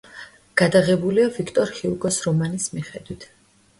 გადაღებულია ვიქტორ ჰიუგოს რომანის მიხედვით.